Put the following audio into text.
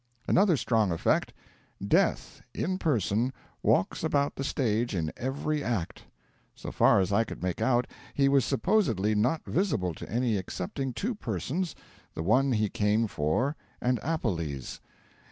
Another strong effect: Death, in person, walks about the stage in every act. So far as I could make out, he was supposably not visible to any excepting two persons the one he came for and Appelles.